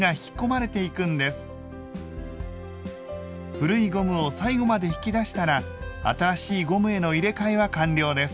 古いゴムを最後まで引き出したら新しいゴムへの入れ替えは完了です。